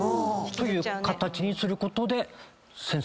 という形にすることで。